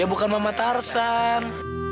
ya bukan mama tarzan